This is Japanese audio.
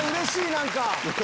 何か。